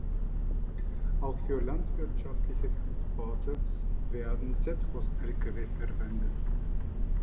Auch für landwirtschaftliche Transporte werden Zetros-Lkw verwendet.